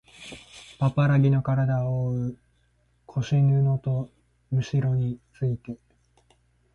パパラギのからだをおおう腰布とむしろについて